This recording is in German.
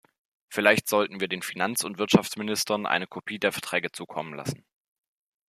Vielleicht sollten wir den Finanz- und Wirtschaftsministern eine Kopie der Verträge zukommen lassen.